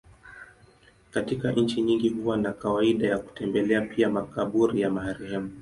Katika nchi nyingi huwa na kawaida ya kutembelea pia makaburi ya marehemu.